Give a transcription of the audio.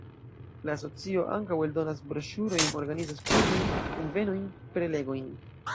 La asocio ankaŭ eldonas broŝurojn, organizas kursojn, kunvenojn, prelegojn.